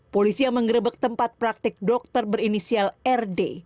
polisi yang mengerebek tempat praktik dokter berinisial rd